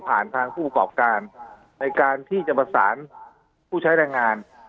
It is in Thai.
ทางผู้กรอบการในการที่จะประสานผู้ใช้แรงงาน